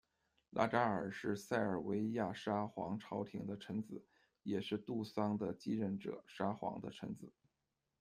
拉扎尔是塞尔维亚沙皇朝廷的臣子，也是杜桑的继任者沙皇的臣子。